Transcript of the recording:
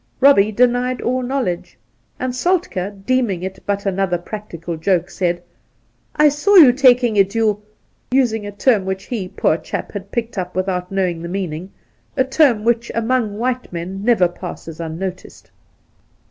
Robbie denied , all know Ijedge, and Soltkd, deeming it but another practical joke, said, 'I saw you taking it, you ,' using a term which he, poor chap, had picked up without knowing the meaning, a term which among white men never ' passes unnoticed.